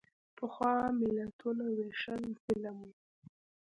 پخوا ملتونو وېشل ظلم و.